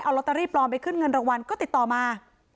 เอาลอตเตอรี่ปลอมไปขึ้นเงินรางวัลก็ติดต่อมา